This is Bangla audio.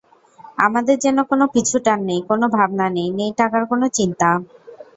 আমাদের যেন কোনো পিছুটান নেই, কোনো ভাবনা নে্ই, নেই টাকার কোনো চিন্তা।